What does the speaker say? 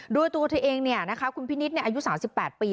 ด้วยตัวเธอเองนะครับคุณพินิศอายุ๓๘ปี